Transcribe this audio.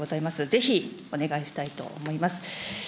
ぜひお願いしたいと思います。